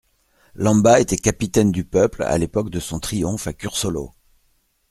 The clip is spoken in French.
Lamba était capitaine du peuple à l'époque de son triomphe à Cursolo.